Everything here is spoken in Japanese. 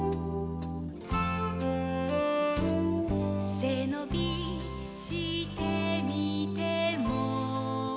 「せのびしてみても」